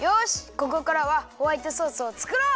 ここからはホワイトソースをつくろう！